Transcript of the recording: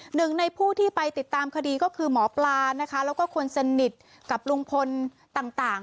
หนึ่งในผู้ที่ไปติดตามคดีก็คือหมอปลานะคะแล้วก็คนสนิทกับลุงพลต่าง